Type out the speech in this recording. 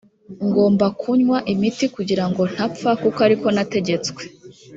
ngomba kunywa imiti kugirango ntapfa kuko ari ko nategetswe